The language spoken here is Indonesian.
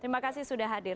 terima kasih sudah hadir